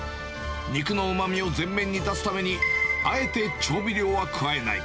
肉のうまみを前面に出すために、あえて調味料は加えない。